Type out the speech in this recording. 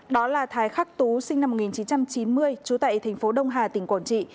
đó là thái khắc tú sinh năm một nghìn chín trăm chín mươi trú tại thành phố đông hà tỉnh quảng trị